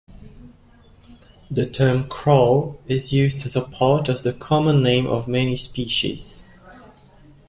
The term "crow" is used as part of the common name of many species.